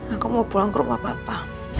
aku mau pulang ke rumah papa